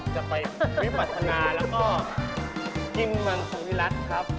จะไปวิบัติธรรมนาแล้วก็กินมันของพิรัตน์ครับ